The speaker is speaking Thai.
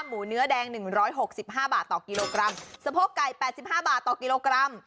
หมูเนื้อแดงหนึ่งร้อยหกสิบห้าบาทต่อกิโลกรัมสะโพกไก่๘๕บาทต่อกิโลกรัม